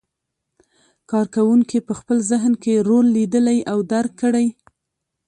کار کوونکي په خپل ذهن کې رول لیدلی او درک کړی.